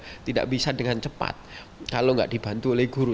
karena tidak bisa dengan cepat kalau nggak dibantu oleh guru